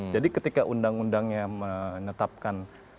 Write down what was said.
jadi ketika undang undangnya menetapkan